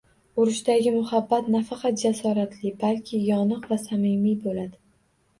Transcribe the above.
Urushdagi muhabbat nafaqat jasoratli, balki yoniq va samimiy bo‘ladi